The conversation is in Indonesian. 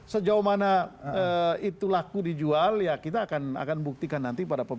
sejauh mana itu laku dijual ya kita akan buktikan nanti pada